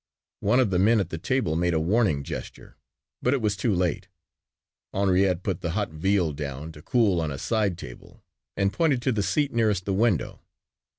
One of the men at the table made a warning gesture, but it was too late. Henrietta put the hot veal down to cool on a side table and pointed to the seat nearest the window.